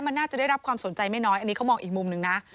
มันน่าจะได้รับความสนใจไม่น้อยอันนี้เขามองอีกมุมหนึ่งนะ